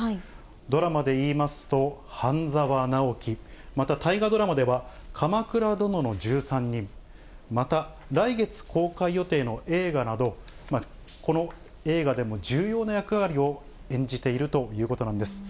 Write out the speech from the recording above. ドラマでいいますと、半沢直樹、また、大河ドラマでは鎌倉殿の１３人、また、来月公開予定の映画など、この映画でも重要な役割を演じているということなんです。